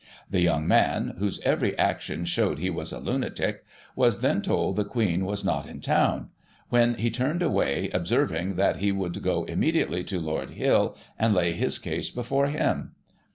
The young man, whose every action showed he was a lunatic, was Digiti ized by Google 1838] "THE BOY JONES." 71 then told the Queen was not in town, when he turned away, observing that he would go immediately to Lord Hill, and lay his case before him.